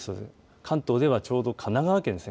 関東ではちょうど神奈川県ですね。